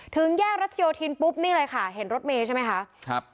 ถึงแยกรัชโยธินปุ๊บนี่เลยค่ะเห็นรถเมย์ใช่ไหมคะครับ